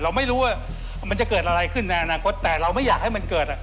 เราไม่รู้ว่ามันจะเกิดอะไรขึ้นในอนาคตแต่เราไม่อยากให้มันเกิดอ่ะ